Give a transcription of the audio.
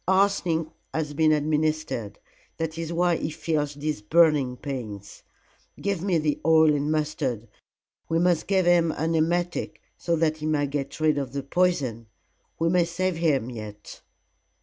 Arsenic has been administered. That is why he feels these burning pains. Give me the oil and mustard. We must give him an emetic, so that he may get rid of the poison. We may save him yet."